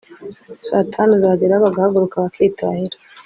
saa tanu zagera bagahaguruka bakitahira